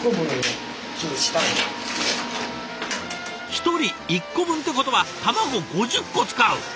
１人１個分ってことは卵５０個使う！？